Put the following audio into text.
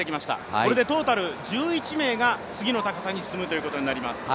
これでトータル１１名が次の高さに進むということになります。